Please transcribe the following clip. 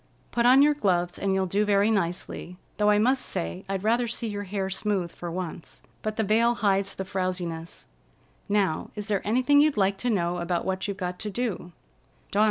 "Put on your gloves, and you'll do very nicely, though I must say I'd rather see your hair smooth for once. But the veil hides the frowsiness. Now, is there anything you'd like to know about what you've got to do?"